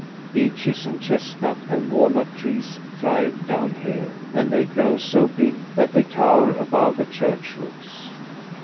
Beeches and chestnut and walnut trees thrive down here; and they grow so big that they tower above the church roofs.